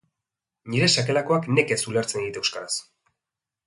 Nire sakelekoak nekez ulertzen dit euskaraz.